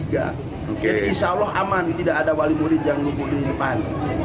jadi insya allah aman tidak ada wali murid yang lupuk di depan